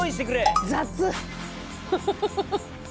フフフフフ。